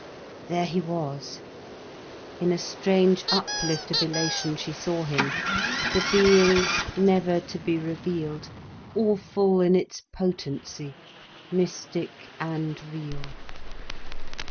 There he was! In a strange uplift of elation she saw him, the being never to be revealed, awful in its potency, mystic and real.